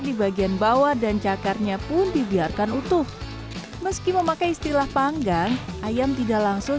di bagian bawah dan cakarnya pun dibiarkan utuh meski memakai istilah panggang ayam tidak langsung